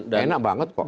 dan enak banget kok